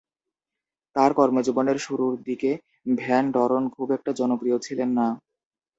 তার কর্মজীবনের শুরুর দিকে ভ্যান ডরন খুব একটা জনপ্রিয় ছিল না।